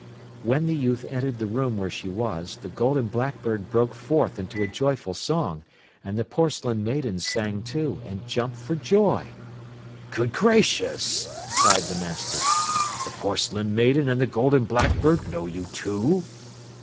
When the youth entered the room where she was, the Golden Blackbird broke forth into a joyful song, and the Porcelain Maiden sang too, and jumped for joy. 'Good gracious!' cried the master. 'The Porcelain Maiden and the Golden Blackbird know you too?